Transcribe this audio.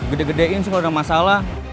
gede gedein sih kalau ada masalah